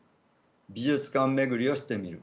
美術館巡りをしてみる。